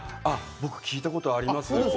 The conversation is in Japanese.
僕、聞いたことあります。